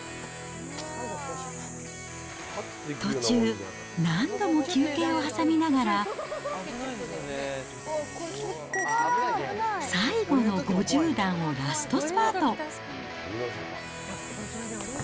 途中、何度も休憩を挟みながら、最後の５０段をラストスパート。